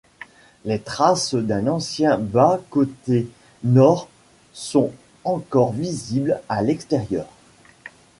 Les traces d'un ancien bas-côté nord sont encore visibles à l'extérieur.